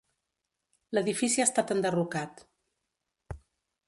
L'edifici ha estat enderrocat.